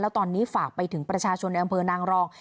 แล้วตอนนี้ฝากไปถึงประชาชนในอำเภอนางรอง